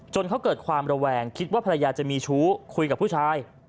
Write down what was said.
เขาเกิดความระแวงคิดว่าภรรยาจะมีชู้คุยกับผู้ชาย